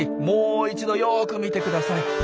もう一度よく見てください。